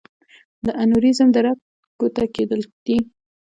د انوریزم د رګ ګوټه کېدل دي.